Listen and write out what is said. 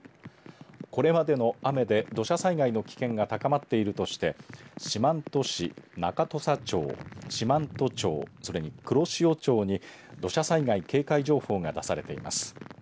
これまでの雨で土砂災害の危険が高まっているとして四万十市、中土佐町四万十町、それに黒潮町に土砂災害警戒情報が出されています。